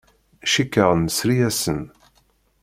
Cikkeɣ nesri-asen.